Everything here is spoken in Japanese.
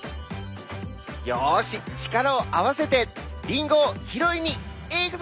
よし力を合わせてリンゴを拾いに行くぞ！